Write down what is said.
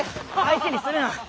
相手にするな。